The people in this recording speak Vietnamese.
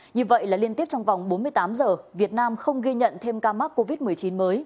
như vậy là liên tiếp trong vòng bốn mươi tám giờ việt nam không ghi nhận thêm ca mắc covid một mươi chín mới